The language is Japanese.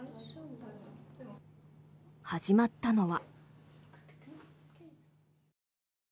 始まったのは。